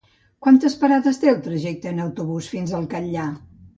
Quantes parades té el trajecte en autobús fins al Catllar?